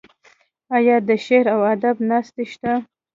آیا د شعر او ادب ناستې شته؟